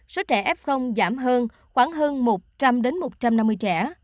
số trẻ f giảm hơn khoảng hơn một trăm linh đến một trăm năm mươi trẻ